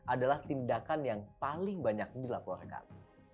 adalah tindakan yang paling banyak dilaporkan